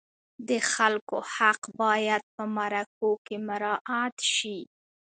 د خلکو حق باید په مرکو کې مراعت شي.